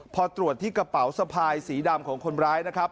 พอตรวจที่กระเป๋าสะพายสีดำของคนร้ายนะครับ